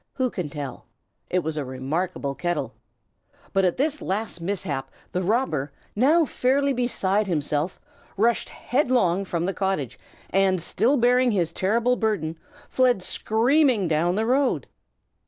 Who can tell? It was a remarkable kettle. But at this last mishap the robber, now fairly beside himself, rushed headlong from the cottage, and still bearing his terrible burden, fled screaming down the road.